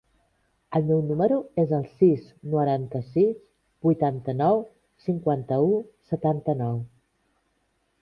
El meu número es el sis, noranta-sis, vuitanta-nou, cinquanta-u, setanta-nou.